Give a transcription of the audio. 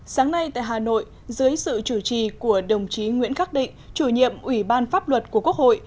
sáng nay tại hà nội dưới sự chủ trì của đồng chí nguyễn khắc định chủ nhiệm ủy ban pháp luật của quốc hội